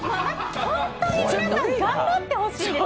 本当に皆さん頑張ってほしいです。